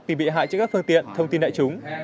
tìm bị hại cho các phương tiện thông tin đại chúng